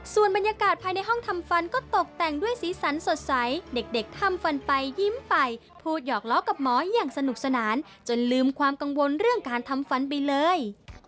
ส่วนบรรยากาศภายในห้องทำฟันก็ตกแต่งด้วยสีสันสดใสเด็กทำฟันไปยิ้มไปพูดหยอกล้อกับหมออย่างสนุกสนานจนลืมความกังวลเรื่องการทำฟันไปเลย